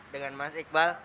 dengan mas iqbal